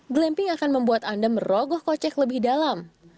glamping akan membuat anda merogoh kocek lebih dalam